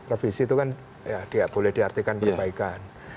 revisi itu kan ya boleh diartikan perbaikan